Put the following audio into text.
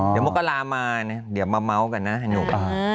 เดี๋ยวมัวก็ลามาระเบิดเดี๋ยวมาเมาท์กันนะนุ่ม